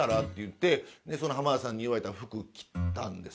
その浜田さんに言われた服着たんです